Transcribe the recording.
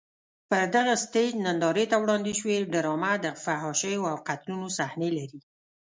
پر دغه سټېج نندارې ته وړاندې شوې ډرامه د فحاشیو او قتلونو صحنې لري.